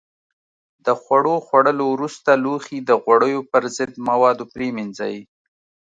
د خوړو خوړلو وروسته لوښي د غوړیو پر ضد موادو پرېمنځئ.